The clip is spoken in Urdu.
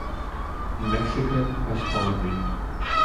میکسیکن ہسپانوی